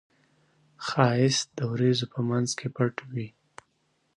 ښایست د وریځو په منځ کې پټ وي